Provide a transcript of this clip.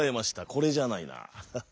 これじゃないな。